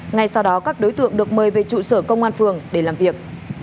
ngay sau đó các đối tượng được mời về trụ sở công an phường để làm việc